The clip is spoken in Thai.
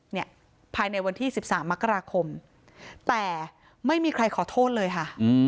เนี่ยภายในวันที่๑๓มกราคมแต่ไม่มีใครขอโทษเลยค่ะ